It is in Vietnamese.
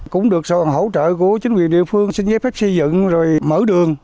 cũng được sự hỗ trợ của chính quyền địa phương xin giấy phép xây dựng rồi mở đường